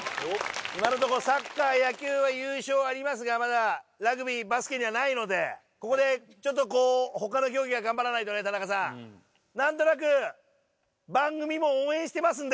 今のとこサッカー野球は優勝ありますがまだラグビーバスケにはないのでここでちょっとこう他の競技が頑張らないとね田中さん。何となく。